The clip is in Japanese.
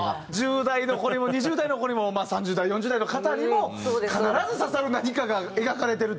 １０代の子にも２０代の子にもまあ３０代４０代の方にも必ず刺さる何かが描かれてるという。